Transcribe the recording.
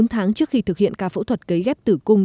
bốn tháng trước khi thực hiện ca phẫu thuật cấy ghép tử cung